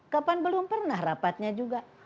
kapan belum pernah rapatnya juga